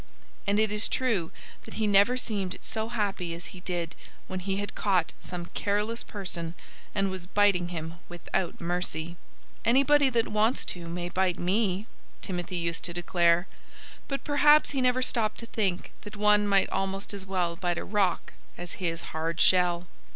And it is true that he never seemed so happy as he did when he had caught some careless person and was biting him without mercy. "Anybody that wants to may bite me," Timothy used to declare. But perhaps he never stopped to think that one might almost as well bite a rock as his hard shell.